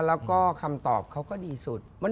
แล้วก็คำตอบเขาก็ดีสุด